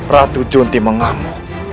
ratu junti mengamuk